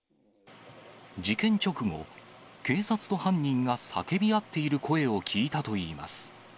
事件直後、警察と犯人が叫び合っている声を聞いたといいます。